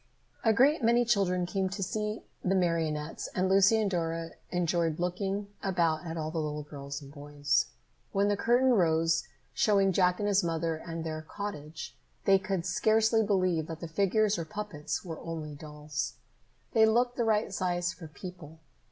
A great many children came to see the marionettes and Lucy and Dora enjoyed looking about at all the little girls and boys. When the curtain rose, showing Jack and his mother and their cottage, they could scarcely believe that the figures, or puppets, were only dolls. They looked the right size for people.